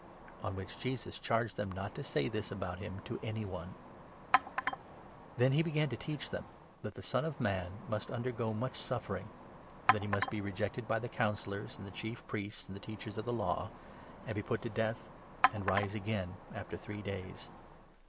On which J esus charged them not to say this about him to any one. 30 Jesus Then he began to teach them that the Son of 31 foroteiis his Man must undergo much suffering, and that he t>«ath. must be rejected by the Councillors, and the Chief Priests, and the Teachers of the Law, and be put to death, and rise again after three days.